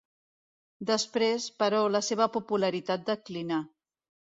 Després, però, la seva popularitat declinà.